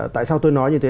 tại sao tôi nói như thế